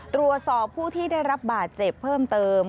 ตรวจสอบผู้ที่ได้รับบาดเจ็บเพิ่มเติม